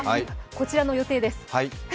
こちらの予定です。